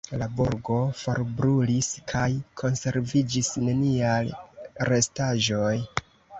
La burgo forbrulis kaj konserviĝis neniaj restaĵoj.